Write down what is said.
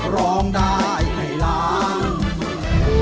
ร้องได้ให้ล้าน